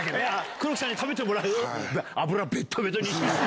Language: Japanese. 黒木さんに食べてもらう？